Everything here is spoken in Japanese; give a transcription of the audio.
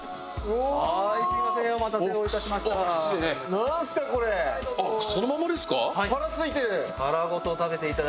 お待たせをいたしました。